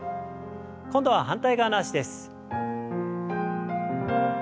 今度は反対側の脚です。